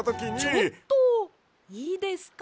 ちょっといいですか？